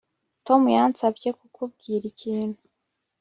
Tom yansabye kukubwira ikintu